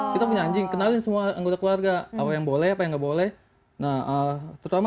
kita punya anjing kenalin semua anggota keluarga apa yang boleh apa yang nggak boleh nah terutama